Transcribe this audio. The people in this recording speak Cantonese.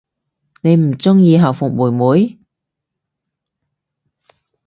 你唔鍾意校服妹妹？